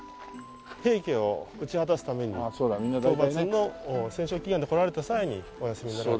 平家を討ち果たすために討伐の戦勝祈願で来られた際にお休みになられたと。